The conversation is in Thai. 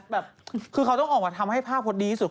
แบบคือเขาต้องออกมาทำให้ภาพพลตดีที่สุด